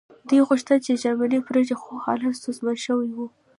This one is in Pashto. دوی غوښتل چې جرمني پرېږدي خو حالات ستونزمن شوي وو